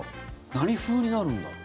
何風になるんだろう？